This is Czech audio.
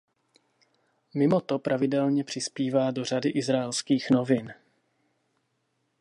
Mimo to pravidelně přispívá do řady izraelských novin.